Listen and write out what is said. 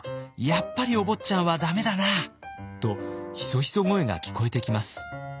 やっぱりお坊ちゃんはダメだな」とひそひそ声が聞こえてきます。